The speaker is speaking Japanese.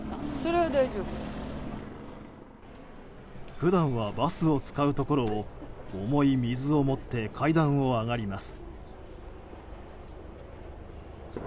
普段はバスを使うところを重い水を持って階段を上がります。